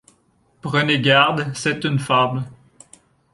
Prenez garde, c’est une fable